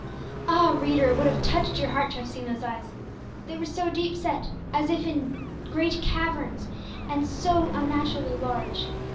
Ah, reader, it would have touched your heart to have seen those eyes! They were so deep set, as if in dark caverns, and so unnaturally large.